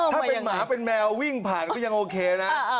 ถ้าเป็นหมาเป็นแมววิ่งผ่านก็ยังโอเคนะ